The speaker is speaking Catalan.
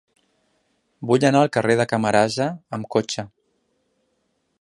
Vull anar al carrer de Camarasa amb cotxe.